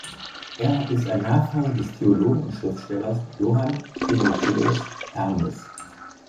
Er ist ein Nachfahre des Theologen und Schriftstellers Johann Timotheus Hermes.